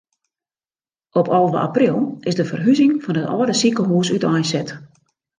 Op alve april is de ferhuzing fan it âlde sikehûs úteinset.